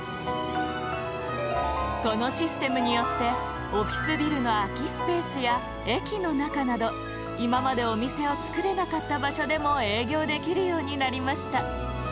このシステムによってオフィスビルのあきスペースや駅のなかなどいままでお店をつくれなかった場所でもえいぎょうできるようになりました。